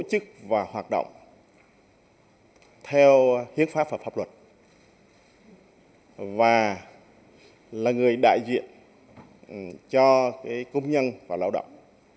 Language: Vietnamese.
tổ chức và hoạt động theo hiến pháp và pháp luật và là người đại diện cho công nhân và lao động